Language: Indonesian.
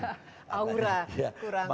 secara aura kurang pas